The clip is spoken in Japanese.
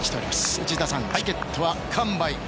内田さん、チケットは完売。